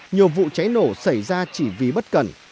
nhiều vụ cháy nổ xảy ra chỉ vì bất cần